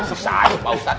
susah aja pausan